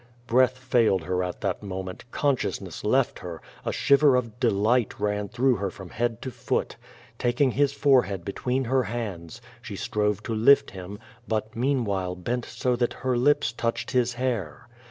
Jireath failed her at that moment, consciousness left her, a shiver of delight ran through her from head to foot. Taking his forehead between her hands, she strove to lift him, hut meanwhile bent so that her lips touciied his hair.